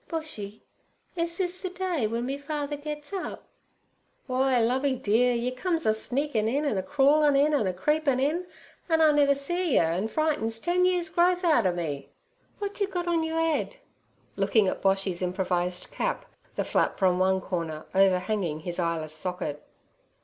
'Boshy, is this the day w'en me father gets up?' 'W'y, Lovey dear, yer comes a sneakin' in, an' a crawlin' in, an' a creepin' in, an' I never see yer, an' yer frightens ten years' growth out ov me!' 'W'at you got on you 'ead?' looking at Boshy's improvised cap, the flap from one corner overhanging his eyeless socket.